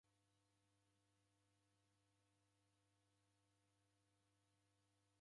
W'uki ghusingie ndoghuranganyiro na skari